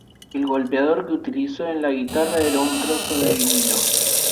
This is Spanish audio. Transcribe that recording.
El golpeador que utilizó en la guitarra era un trozo de vinilo.